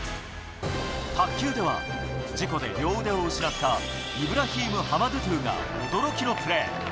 卓球では事故で両腕を失ったイブラヒーム・ハマドトゥが驚きのプレー。